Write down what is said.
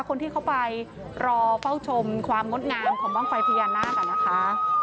คนที่เขาไปรอเฝ้าชมความงดงามของบ้างไฟพญานาคนะคะ